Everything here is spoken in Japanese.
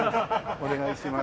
お願いします。